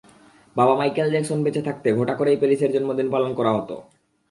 বাবা Michael Jackson বেঁচে থাকতে ঘটা করেই প্যারিসের জন্মদিন পালন করা হতো।